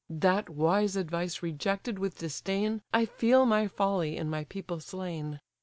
That wise advice rejected with disdain, I feel my folly in my people slain.